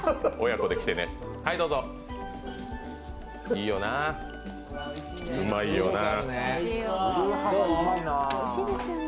いいよな、うまいよな。